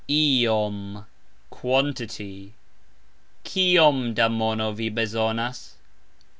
"iom", quantity. "Kiom" da mono vi bezonas?